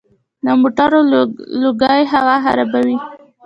د موټرو لوګی هوا خرابوي.